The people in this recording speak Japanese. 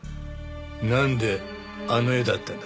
なんであの絵だったんだ？